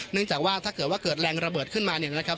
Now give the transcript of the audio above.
เนื่องจากว่าถ้าเกิดว่าเกิดแรงระเบิดขึ้นมาเนี่ยนะครับ